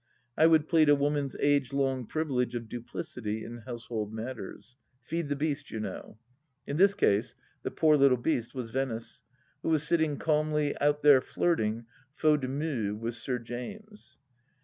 I would plead a woman's age long privilege of duplicity in household matters. Feed the beast, you Imow ! In this case the poor little beast was Venice, who was sitting calmly out there flirting, faute de mieucD, with Sir James.